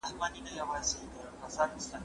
زه به سبا د لوبو لپاره وخت ونيسم،